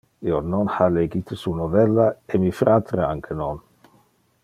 Io non ha legite su novella, e mi fratre anque non.